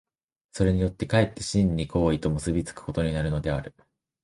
それによって却って真に行為と結び付くことになるのである。